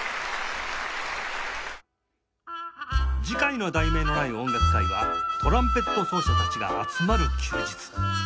次回の『題名のない音楽会は』「トランペット奏者たちが集まる休日」